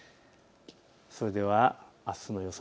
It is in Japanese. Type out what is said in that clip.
それではあすの予想